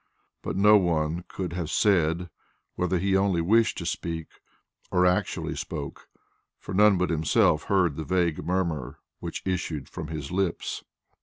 But no one could have said whether he only wished to speak or actually spoke, for none but himself heard the vague murmur which issued from his lips.